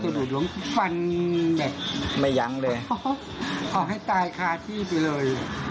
ตาโน้นลงฟันแบบไม่ยั้งเลยเกิดพอเด็ก